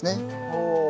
ほう。